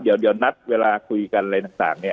เดี๋ยวนัดเวลาคุยกันอะไรต่างเนี่ย